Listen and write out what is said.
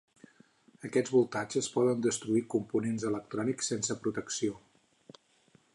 Aquests voltatges poden destruir components electrònics sense protecció.